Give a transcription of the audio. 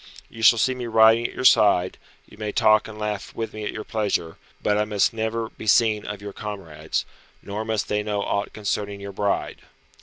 You shall see me riding at your side; you may talk and laugh with me at your pleasure, but I must never be seen of your comrades, nor must they know aught concerning your bride.